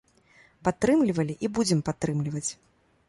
Падтрымлівалі і будзем падтрымліваць!